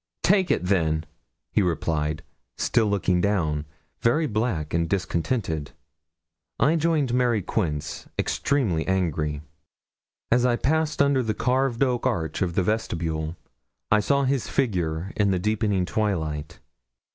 'Take it, then,' he replied, still looking down, very black and discontented. I joined Mary Quince, extremely angry. As I passed under the carved oak arch of the vestibule, I saw his figure in the deepening twilight.